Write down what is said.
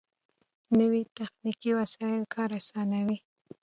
نوې تخنیکي وسایل کار آسانوي